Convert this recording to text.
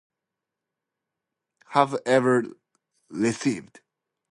These mark the highest accolades that the Rancocas Valley Marching Band have ever received.